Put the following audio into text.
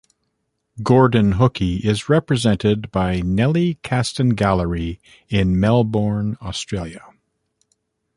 Gordon Hookey is represented by Nellie Castan Gallery in Melbourne, Australia.